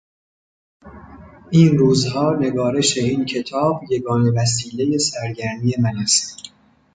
این روزها نگارش این کتاب یگانه وسیلهی سرگرمی من است.